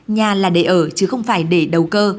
nhà là để ở chứ không phải để đầu cơ